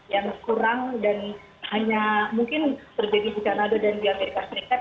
yang kurang dan hanya mungkin terjadi di kanada dan di amerika serikat